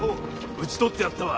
討ち取ってやったわ。